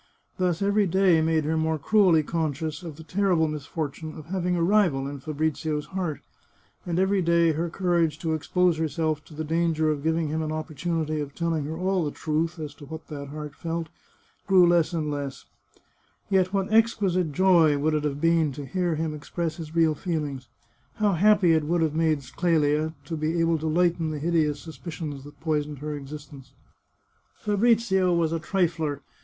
Thus, every day made her more cruelly conscious of the terrible misfortune of having a rival in Fabrizio's heart, and every day her courage to expose her self to the danger of giving him an opportunity of telling her all the truth as to what that heart felt, grew less and less. 344 The Chartreuse of Parma Yet what exquisite joy would it have been to hear him express his real feelings! How happy it would have made Clelia to be able to lighten the hideous suspicions that poisoned her existence. Fabrizio was a trifler.